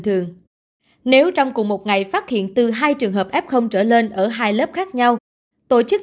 thường nếu trong cùng một ngày phát hiện từ hai trường hợp f trở lên ở hai lớp khác nhau tổ chức